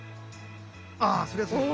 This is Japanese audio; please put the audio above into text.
あそりゃそうだ。